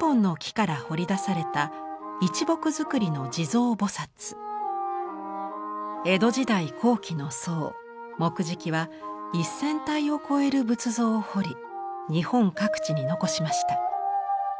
１本の木から彫り出された一木造りの江戸時代後期の僧木喰は１，０００体を超える仏像を彫り日本各地に残しました。